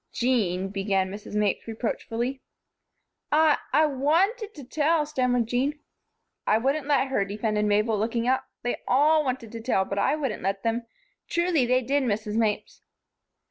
"Jean," began Mrs. Mapes, reproachfully. "I I wanted to tell," stammered Jean. "I wouldn't let her," defended Mabel, looking up. "They all wanted to tell, but I wouldn't let them. Truly, they did, Mrs. Mapes."